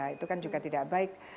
itu kan juga tidak baik